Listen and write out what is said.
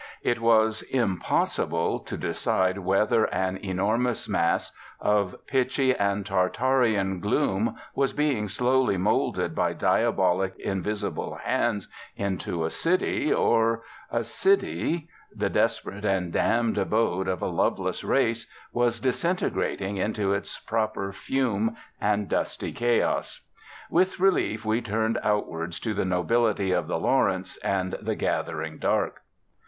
It was impossible to decide whether an enormous mass of pitchy and Tartarian gloom was being slowly moulded by diabolic invisible hands into a city, or a city, the desperate and damned abode of a loveless race, was disintegrating into its proper fume and dusty chaos. With relief we turned outwards to the nobility of the St Lawrence and the gathering dark.